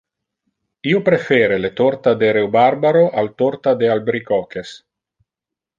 Io prefere le torta de rheubarbaro al torta de albricoches.